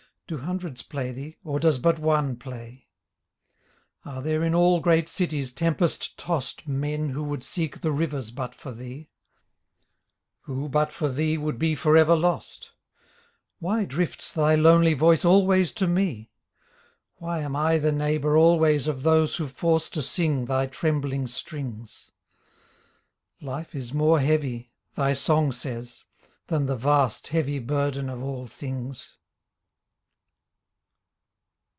Do hundreds play thee, or does but one play? Are there in all great cities tempest tossed Men who would seek the rivers but for thee, Who, but for thee, would be forever lost? Why drifts thy lonely voice always to me? Why am I the neighbour always Of those who force to sing thy trembling strings? Life is more heavy — thy song says — Than the vast, heavy burden of all things.